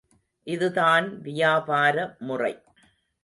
இதுதான் வியாபார முறை